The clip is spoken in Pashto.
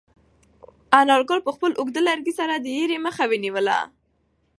انارګل په خپل اوږد لرګي سره د رېړې مخه ونیوله.